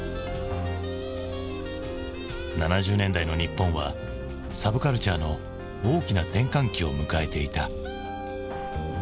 ７０年代の日本はサブカルチャーの大きな転換期を迎えていた。